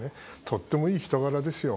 とってもいい人柄ですよ。